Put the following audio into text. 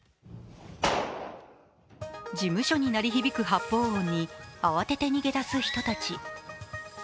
事務所に鳴り響く発砲音に慌てて逃げ出す人たち。